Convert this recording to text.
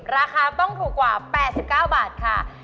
ราคาต้องถูกกว่า๘๙บาทค่ะ